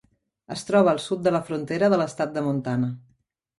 Es troba al sud de la frontera de l'estat de Montana.